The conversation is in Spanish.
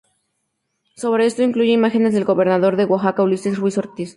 Sobre esto, incluye imágenes del gobernador de Oaxaca Ulises Ruiz Ortiz.